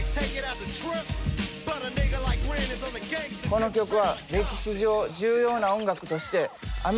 この曲は歴史上重要な音楽としてへえ。